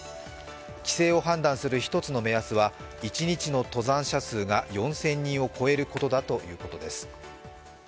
規制を判断する一つの目安は１日の登山者数が４０００人を超えることだということです。